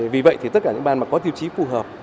vì vậy thì tất cả những ban mà có tiêu chí phù hợp